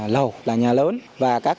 lầu là nhà lớn và các